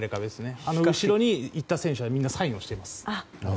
あの後ろに行った選手はみんなサインをしています。